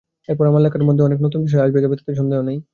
এরপর আমার লেখার মধ্যে অনেক নতুন বিষয় এসে যাবে, তাতে সন্দেহ নেই।